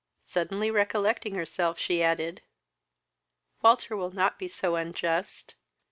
Suddenly recollecting herself, she added, "Walter will not be so unjust!